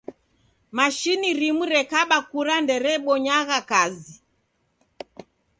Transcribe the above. Mashini rimu rekaba kura nderebonyagha kazi.